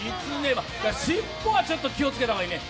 尻尾はちょっと気をつけた方がいいね。